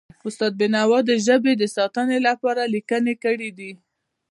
استاد بینوا د ژبې د ساتنې لپاره لیکنې کړی دي.